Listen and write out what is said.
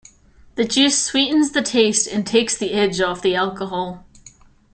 The juice sweetens the taste and takes the edge off the alcohol.